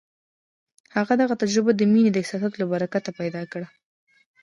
هغه دغه تجربه د مينې د احساساتو له برکته پيدا کړه.